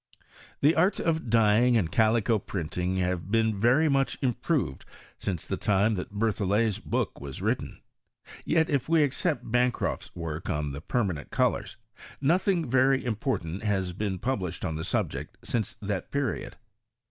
The arts of dyeing and calico printing have lieen very much improved since the time that Berthollet's book wai written ; yet if we except Bancroft's work on th« permanent colours, nothing very important has been published on the subject since that period.